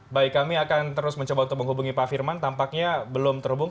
baik kami akan terus mencoba untuk menghubungi pak firman tampaknya belum terhubung